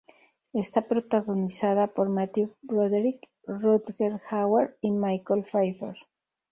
Está protagonizada por Matthew Broderick, Rutger Hauer y Michelle Pfeiffer.